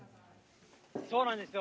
そうなんですよ。